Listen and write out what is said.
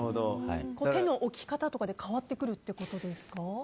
手の置き方とかで変わってくるってことですか？